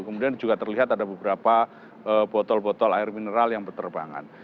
kemudian juga terlihat ada beberapa botol botol air mineral yang berterbangan